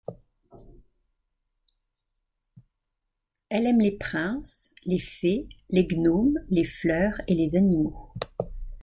Elle aime les princes, les fées, les gnomes, les fleurs et les animaux.